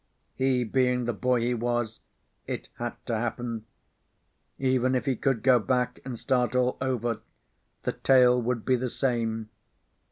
He being the boy he was, it had to happen. Even if he could go back and start all over, the tale would be the same.